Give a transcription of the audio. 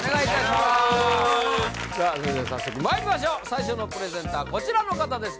それでは早速まいりましょう最初のプレゼンターこちらの方です